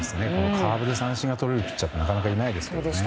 カーブで三振がとれるピッチャーってなかなかいないですからね。